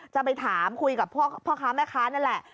จะไปถามคุยกับพ่อค้าแม่ค้านั่นแหละ